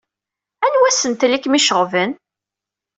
Anwa asentel i kem-iceɣben?